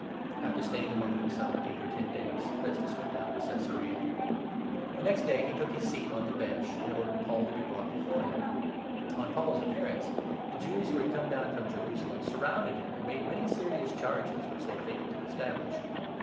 After staying among them some eight or ten days, Festus 6 went down to Caesarea. The next day he took his seat on the Bench, and ordered Paul to be brought before him. On Paul's 7 appearance, the Jews who had come down from Jerusalem sur rounded him, and made many serious charges, which they failed to establish.